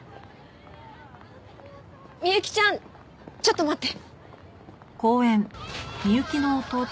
美幸ちゃんちょっと待って。